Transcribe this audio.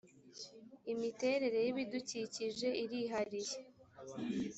imiterere y’ibidukikije irihariye .